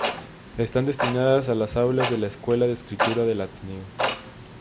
Están destinadas a las aulas de la Escuela de Escritura del Ateneo.